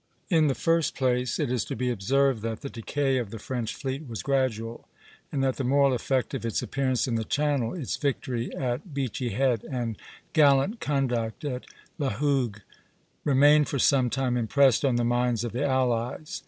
In the first place it is to be observed that the decay of the French fleet was gradual, and that the moral effect of its appearance in the Channel, its victory at Beachy Head, and gallant conduct at La Hougue remained for some time impressed on the minds of the allies.